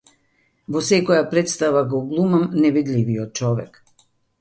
Во секоја претстава го глумам невидливиот човек!